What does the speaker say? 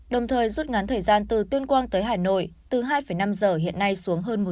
đồng thời rút ngắn thời gian từ tuyên quang tới hà nội từ hai năm giờ hiện nay xuống hơn một giờ